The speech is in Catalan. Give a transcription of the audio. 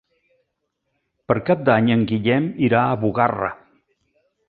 Per Cap d'Any en Guillem irà a Bugarra.